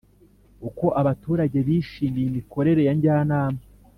Uko abaturage bishimiye imikorere ya njyanama